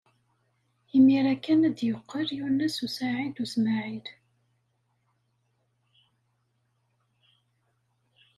Imir-a kan ara d-yeqqel Yunes u Saɛid u Smaɛil.